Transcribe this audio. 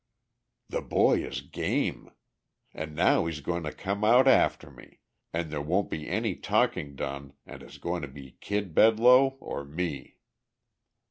"The boy is game! And now he's going to come out after me, and there won't be any talking done and it's going to be Kid Bedloe or me.